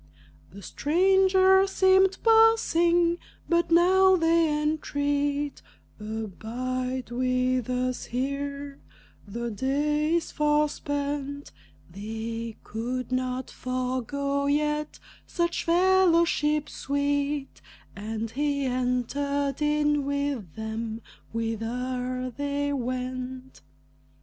The stranger seemed passing, but now they entreat, "Abide with us here; the day is far spent"; They could not forego yet such fellowship sweet, And he entered in with them whither they went.